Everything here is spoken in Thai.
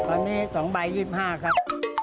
ตอนนี้๒ใบ๒๕ครับ